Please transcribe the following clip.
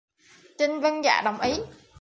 Trinh vâng dạ đồng ý